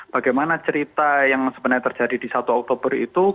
bagaimana cerita yang sebenarnya terjadi di satu oktober itu